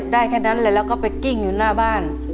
ได้แค่นั้นเลยแล้วก็ไปกิ้งอยู่หน้าบ้าน